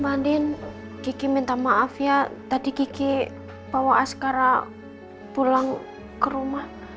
mbak andin gigi minta maaf ya tadi gigi bawa askara pulang ke rumah